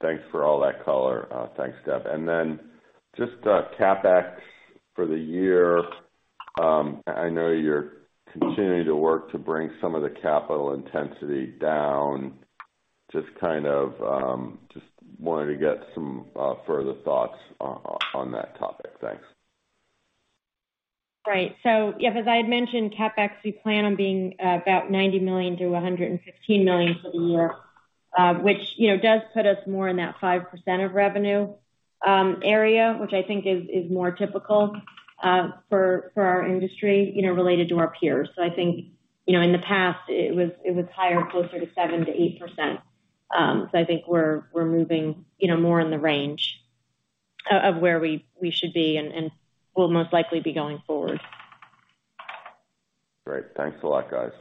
Thanks for all that color. Thanks, Deb. Then just CapEx for the year. I know you're continuing to work to bring some of the capital intensity down. Just kind of just wanted to get some further thoughts on that topic. Thanks. Right. Yeah, as I had mentioned, CapEx, we plan on being about $90 million-$115 million for the year, which, you know, does put us more in that 5% of revenue area, which I think is more typical for our industry, you know, related to our peers. I think, you know, in the past it was higher, closer to 7%-8%. I think we're moving, you know, more in the range of where we should be and will most likely be going forward. Great. Thanks a lot, guys.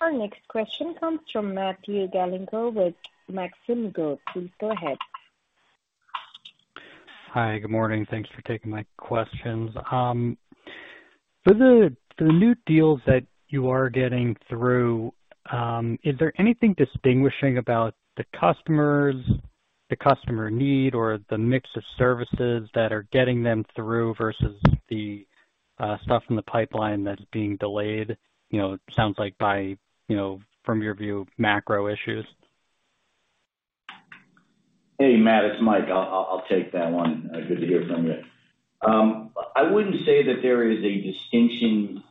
Our next question comes from Matthew Galinko with Maxim Group. Please go ahead. Hi, good morning. Thanks for taking my questions. For the new deals that you are getting through, is there anything distinguishing about the customers, the customer need or the mix of services that are getting them through versus the stuff in the pipeline that's being delayed, you know, sounds like by, you know, from your view, macro issues? Hey, Matt, it's Mike. I'll take that one. Good to hear from you. I wouldn't say that there is a distinction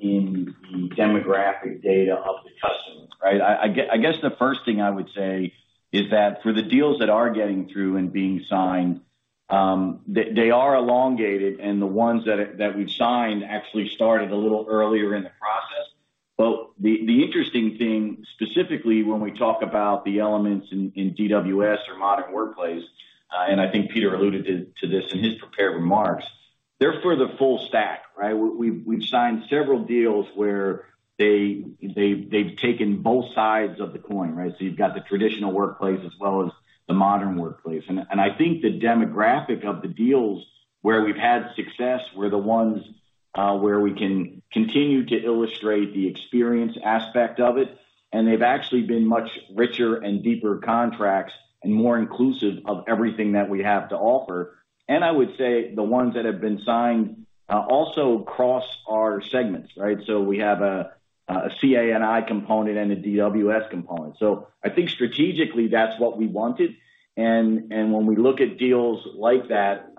in the demographic data of the customers, right? I guess the first thing I would say is that for the deals that are getting through and being signed, they are elongated, and the ones that we've signed actually started a little earlier in the process. The interesting thing, specifically when we talk about the elements in DWS or Modern Workplace, and I think Peter alluded to this in his prepared remarks, they're for the full stack, right? We've signed several deals where they've taken both sides of the coin, right? You've got the traditional workplace as well as the Modern Workplace. I think the demographic of the deals where we've had success were the ones where we can continue to illustrate the experience aspect of it, and they've actually been much richer and deeper contracts and more inclusive of everything that we have to offer. I would say the ones that have been signed also cross our segments, right? We have a CA&I component and a DWS component. I think strategically that's what we wanted, and when we look at deals like that,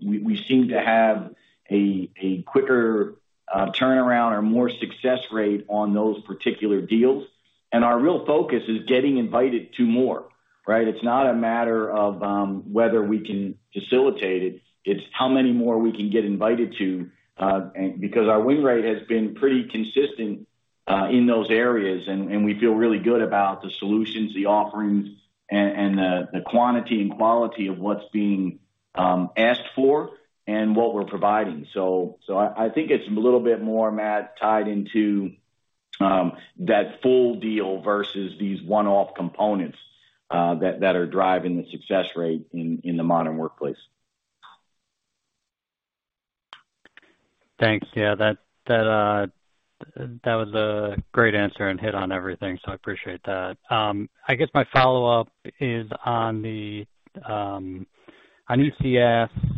we seem to have a quicker turnaround or more success rate on those particular deals. Our real focus is getting invited to more, right? It's not a matter of whether we can facilitate it's how many more we can get invited to, and because our win rate has been pretty consistent in those areas, and we feel really good about the solutions, the offerings, and the quantity and quality of what's being asked for and what we're providing. I think it's a little bit more, Matt, tied into that full deal versus these one-off components that are driving the success rate in the Modern Workplace. Thanks. Yeah, that was a great answer and hit on everything, so I appreciate that. I guess my follow-up is on ECS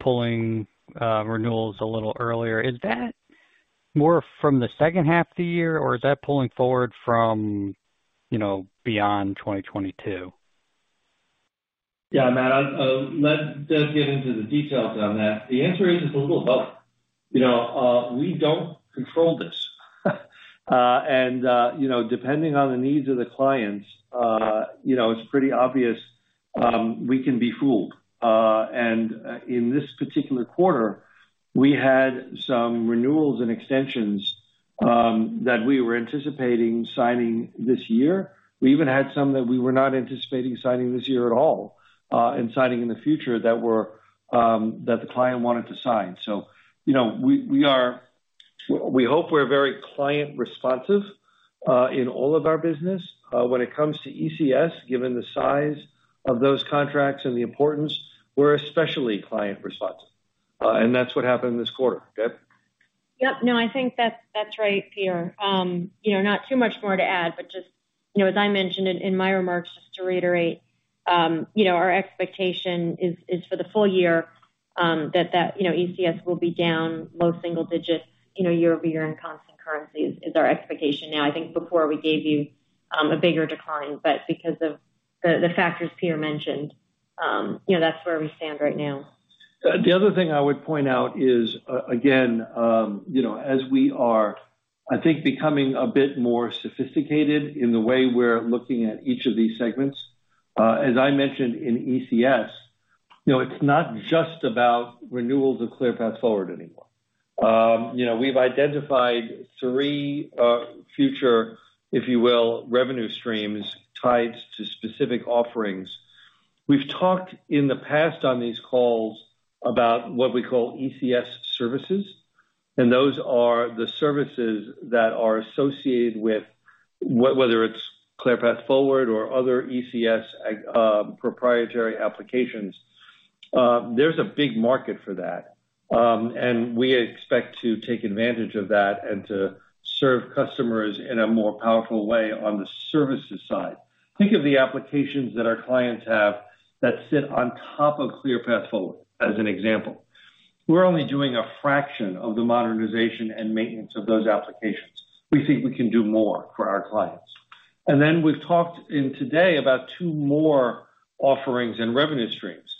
pulling renewals a little earlier. Is that more from the second half of the year, or is that pulling forward from, you know, beyond 2022? Yeah, Matt, I'll let Deb get into the details on that. The answer is it's a little of both. You know, we don't control this. You know, depending on the needs of the clients, you know, it's pretty obvious, we can be fooled. In this particular quarter, we had some renewals and extensions that we were anticipating signing this year. We even had some that we were not anticipating signing this year at all, and signing in the future that were, that the client wanted to sign. You know, we hope we're very client responsive in all of our business. When it comes to ECS, given the size of those contracts and the importance, we're especially client responsive. That's what happened this quarter. Deb? Yep. No, I think that's right, Peter. You know, not too much more to add, but just. You know, as I mentioned in my remarks, just to reiterate, you know, our expectation is for the full year, that you know, ECS will be down low single digits, you know, year-over-year in constant currencies is our expectation. Now, I think before we gave you a bigger decline, but because of the factors Peter mentioned, you know, that's where we stand right now. The other thing I would point out is again, you know, as we are, I think, becoming a bit more sophisticated in the way we're looking at each of these segments, as I mentioned in ECS, you know, it's not just about renewals of ClearPath Forward anymore. You know, we've identified three future, if you will, revenue streams tied to specific offerings. We've talked in the past on these calls about what we call ECS services, and those are the services that are associated with whether it's ClearPath Forward or other ECS proprietary applications. There's a big market for that. We expect to take advantage of that and to serve customers in a more powerful way on the services side. Think of the applications that our clients have that sit on top of ClearPath Forward, as an example. We're only doing a fraction of the modernization and maintenance of those applications. We think we can do more for our clients. We've talked in today about two more offerings and revenue streams.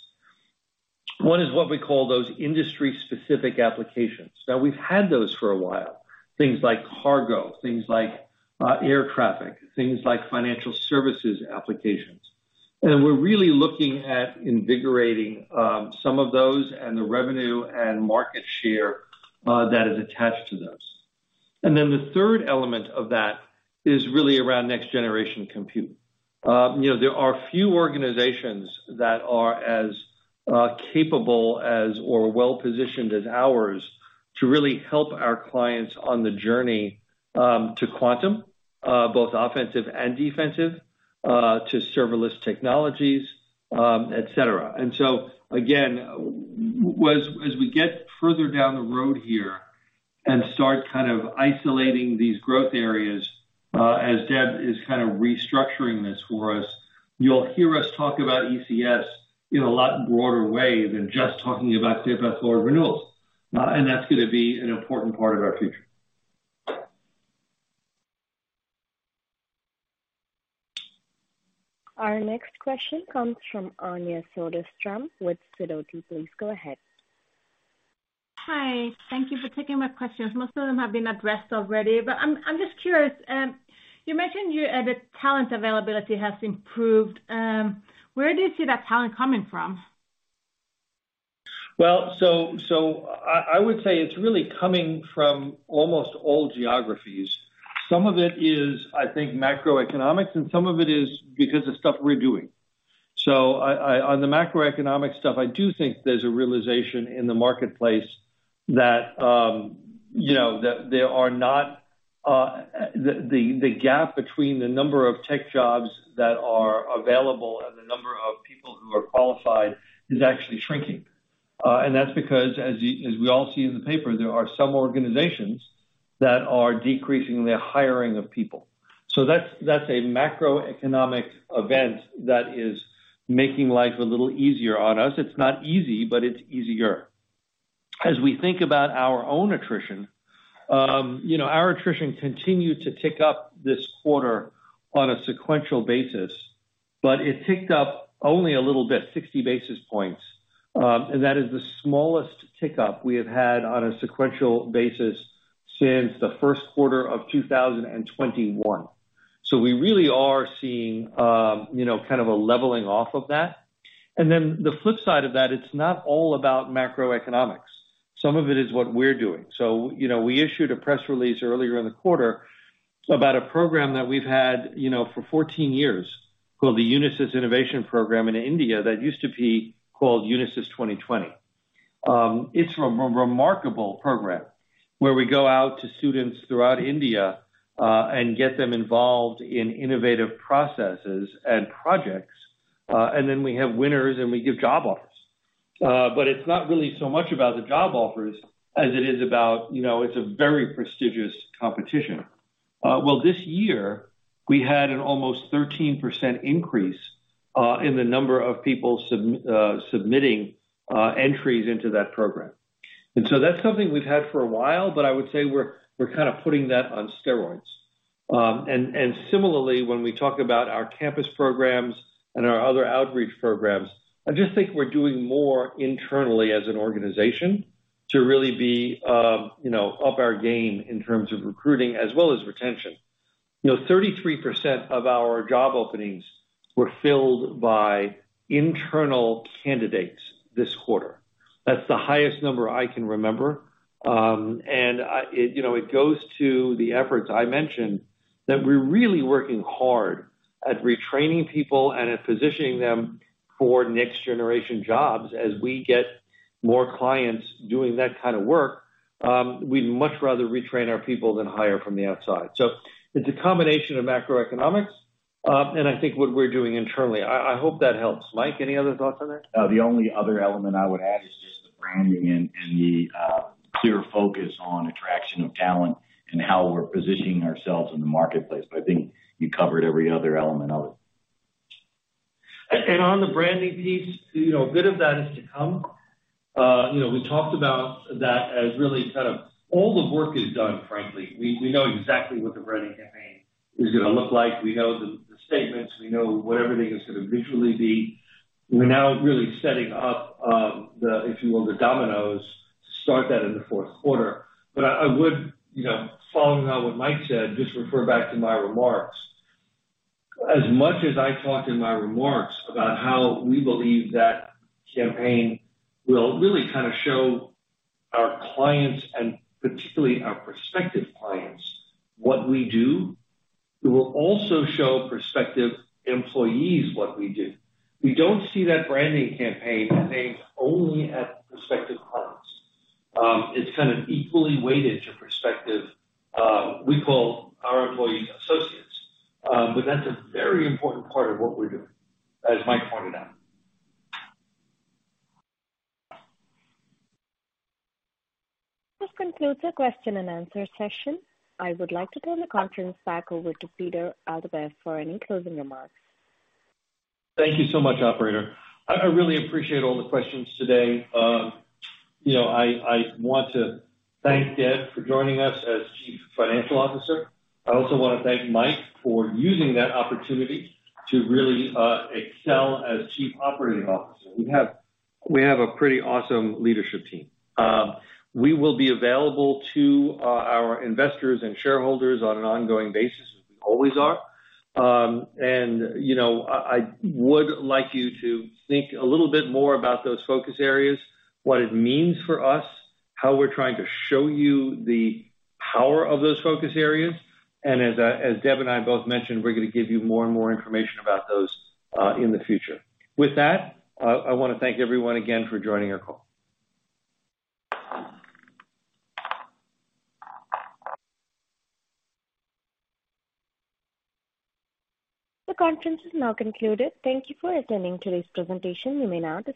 One is what we call those industry-specific applications. Now, we've had those for a while, things like cargo, things like air traffic, things like financial services applications. We're really looking at invigorating some of those and the revenue and market share that is attached to those. The third element of that is really around next-generation compute. You know, there are few organizations that are as capable as or well-positioned as ours to really help our clients on the journey to quantum, both offensive and defensive, to serverless technologies, et cetera. Again, as we get further down the road here and start kind of isolating these growth areas, as Deb is kind of restructuring this for us, you'll hear us talk about ECS in a lot broader way than just talking about ClearPath Forward renewals. That's gonna be an important part of our future. Our next question comes from Anja Soderstrom with Sidoti. Please go ahead. Hi. Thank you for taking my questions. Most of them have been addressed already, but I'm just curious. You mentioned the talent availability has improved. Where do you see that talent coming from? I would say it's really coming from almost all geographies. Some of it is, I think, macroeconomics, and some of it is because of stuff we're doing. On the macroeconomic stuff, I do think there's a realization in the marketplace that, you know, that there are not. The gap between the number of tech jobs that are available and the number of people who are qualified is actually shrinking. That's because, as we all see in the paper, there are some organizations that are decreasing their hiring of people. That's a macroeconomic event that is making life a little easier on us. It's not easy, but it's easier. As we think about our own attrition, you know, our attrition continued to tick up this quarter on a sequential basis, but it ticked up only a little bit, 60 basis points. That is the smallest tick up we have had on a sequential basis since the first quarter of 2021. We really are seeing, you know, kind of a leveling off of that. Then the flip side of that, it's not all about macroeconomics. Some of it is what we're doing. You know, we issued a press release earlier in the quarter about a program that we've had, you know, for 14 years, called the Unisys Innovation Program in India that used to be called Unisys 20/20. It's a remarkable program where we go out to students throughout India and get them involved in innovative processes and projects. Then we have winners and we give job offers. It's not really so much about the job offers as it is about, you know, it's a very prestigious competition. Well, this year we had an almost 13% increase in the number of people submitting entries into that program. That's something we've had for a while, but I would say we're kind of putting that on steroids. Similarly, when we talk about our campus programs and our other outreach programs, I just think we're doing more internally as an organization to really be, you know, up our game in terms of recruiting as well as retention. You know, 33% of our job openings were filled by internal candidates this quarter. That's the highest number I can remember. You know, it goes to the efforts I mentioned that we're really working hard at retraining people and at positioning them for next-generation jobs. As we get more clients doing that kind of work, we'd much rather retrain our people than hire from the outside. It's a combination of macroeconomics and I think what we're doing internally. I hope that helps. Mike, any other thoughts on that? The only other element I would add is. Branding and the clear focus on attraction of talent and how we're positioning ourselves in the marketplace. I think you covered every other element of it. On the branding piece, you know, a bit of that is to come. You know, we talked about that as really kind of all the work is done, frankly. We know exactly what the branding campaign is gonna look like. We know the statements. We know what everything is gonna visually be. We're now really setting up the, if you will, the dominoes to start that in the fourth quarter. I would, you know, following on what Mike said, just refer back to my remarks. As much as I talked in my remarks about how we believe that campaign will really kinda show our clients, and particularly our prospective clients, what we do, it will also show prospective employees what we do. We don't see that branding campaign aimed only at prospective clients. It's kind of equally weighted to prospects. We call our employees associates. That's a very important part of what we're doing, as Mike pointed out. This concludes our question and answer session. I would like to turn the conference back over to Peter Altabef for any closing remarks. Thank you so much, operator. I really appreciate all the questions today. You know, I want to thank Deb for joining us as Chief Financial Officer. I also wanna thank Mike for using that opportunity to really excel as Chief Operating Officer. We have a pretty awesome leadership team. We will be available to our investors and shareholders on an ongoing basis, as we always are. You know, I would like you to think a little bit more about those focus areas, what it means for us, how we're trying to show you the power of those focus areas, and as Deb and I both mentioned, we're gonna give you more and more information about those in the future. With that, I wanna thank everyone again for joining our call. The conference is now concluded. Thank you for attending today's presentation. You may now disconnect.